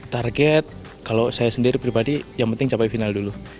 target kalau saya sendiri pribadi yang penting capai final dulu